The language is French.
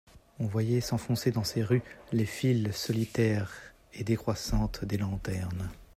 On voyait s'enfoncer dans ces rues les files solitaires et décroissantes des lanternes.